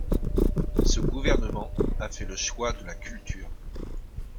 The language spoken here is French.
Ce gouvernement a fait le choix de la culture.